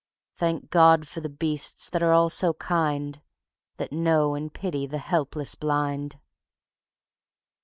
Thank God for the beasts that are all so kind, That know and pity the helpless blind!